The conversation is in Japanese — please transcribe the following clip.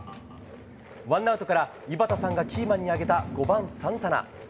ワンアウトから井端さんがキーマンに挙げた５番、サンタナ。